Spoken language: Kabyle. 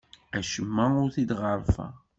Acemma ur t-id-ɣerrfeɣ.